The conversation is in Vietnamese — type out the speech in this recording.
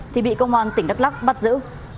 thì bị công an tỉnh đắk lắc bắt giữ